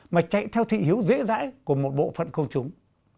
mà chạy theo thị hiếu dễ dãi của một bộ phận công chúng